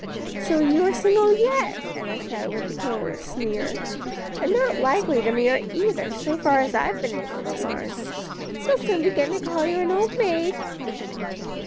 "So you are single yet," Enna said, with a covert sneer; "and not likely to marry either, so far as I've been able to learn. They'll soon begin to call you an old maid."